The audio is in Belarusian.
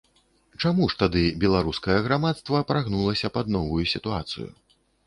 Чаму ж тады беларускае грамадства прагнулася пад новую сітуацыю?